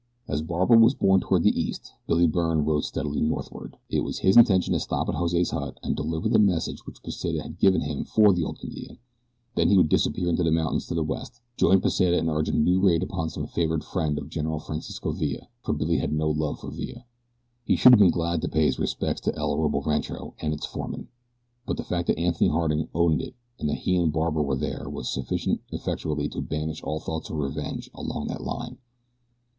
As Barbara was borne toward the east, Billy Byrne rode steadily northward. It was his intention to stop at Jose's hut and deliver the message which Pesita had given him for the old Indian. Then he would disappear into the mountains to the west, join Pesita and urge a new raid upon some favored friend of General Francisco Villa, for Billy had no love for Villa. He should have been glad to pay his respects to El Orobo Rancho and its foreman; but the fact that Anthony Harding owned it and that he and Barbara were there was sufficient effectually to banish all thoughts of revenge along that line.